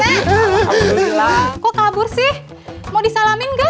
pak mt kok kabur sih mau disalamin gak